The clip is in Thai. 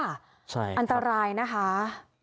อันตรายนะคะ